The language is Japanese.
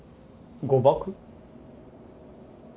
誤爆？